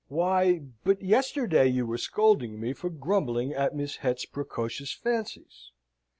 Why, but yesterday, you were scolding me for grumbling at Miss Het's precocious fancies.